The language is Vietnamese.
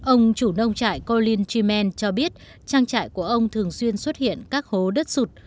ông chủ nông trại colin treeman cho biết trang trại của ông thường xuyên xuất hiện các hố đất sụt